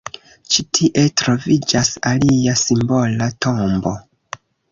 Ĉi tie troviĝas ilia simbola tombo.